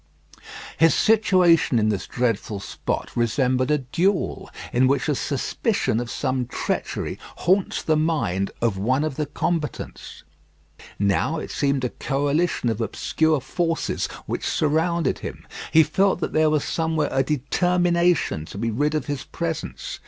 His situation in this dreadful spot resembled a duel, in which a suspicion of some treachery haunts the mind of one of the combatants. Now it seemed a coalition of obscure forces which surrounded him. He felt that there was somewhere a determination to be rid of his presence.